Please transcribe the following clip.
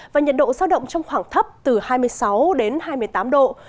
và nhiệt độ giao động trong khoảng thấp từ hai mươi sáu đến hai mươi tám độ